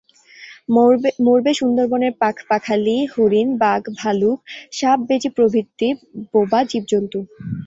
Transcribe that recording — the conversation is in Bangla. মরবে সুন্দরবনের পাখপাখালি, হরিণ, বাঘ, ভালুক, সাপ, বেজি প্রভৃতি বোবা জীবজন্তু।